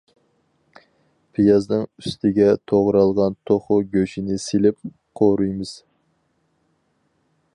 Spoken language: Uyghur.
پىيازنىڭ ئۈستىگە توغرالغان توخۇ گۆشىنى سېلىپ قورۇيمىز.